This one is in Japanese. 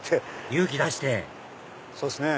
勇気出してそうですね。